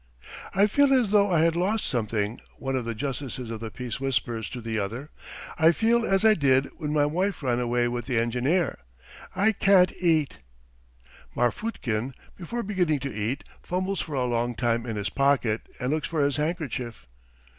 "I feel as though I had lost something," one of the justices of the peace whispers to the other. "I feel as I did when my wife ran away with the engineer. ... I can't eat." Marfutkin, before beginning to eat, fumbles for a long time in his pocket and looks for his handkerchief.